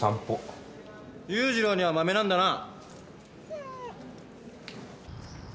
裕次郎にはマメなんだな。